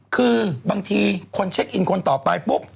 คือบางทีคนเช็คอินคนต่อไปปุ๊บ